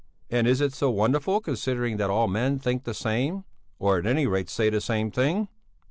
And is it so wonderful considering that all men think the same, or at any rate say the same thing?